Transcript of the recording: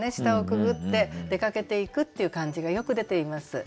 下をくぐって出かけていくっていう感じがよく出ています。